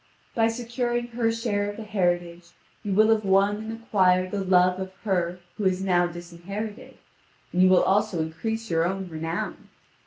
By securing her share of the heritage, you will have won and acquired the love of her who is now disinherited, and you will also increase your own renown.